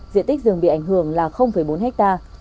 diện tích rừng bị ảnh hưởng là bốn ha